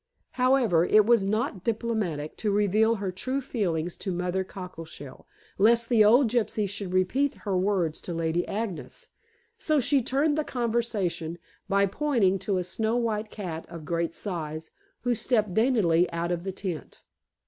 However, it was not diplomatic to reveal her true feelings to Mother Cockleshell, lest the old gypsy should repeat her words to Lady Agnes, so she turned the conversation by pointing to a snow white cat of great size, who stepped daintily out of the tent.